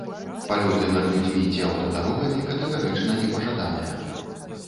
Палёты над людзьмі ці аўтадарогамі катэгарычна не пажаданыя.